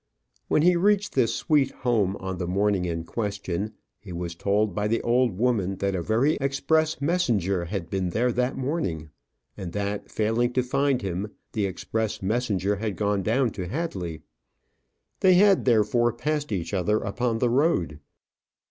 When he reached this sweet home on the morning in question, he was told by the old woman that a very express messenger had been there that morning, and that, failing to find him, the express messenger had gone down to Hadley. They had, therefore, passed each other upon the road.